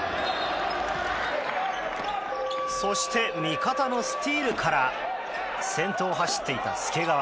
そして味方のスチールから先頭を走っていた介川。